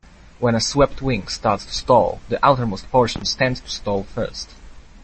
When a swept wing starts to stall, the outermost portions tend to stall first.